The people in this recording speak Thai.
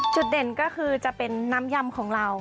จุดเด่นก็คือจะเป็นน้ำยำของเรา